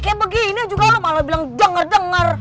gak lagi panik kayak begini juga lo malah bilang denger denger